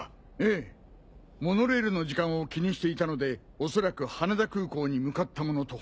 ええモノレールの時間を気にしていたので恐らく羽田空港に向かったものと。